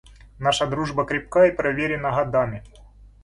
Наша дружба крепка и проверена годами.